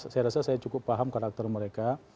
saya rasa saya cukup paham karakter mereka